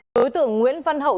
đối tượng nguyễn văn hậu